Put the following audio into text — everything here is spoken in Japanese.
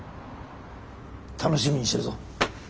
楽しみにしてるぞ。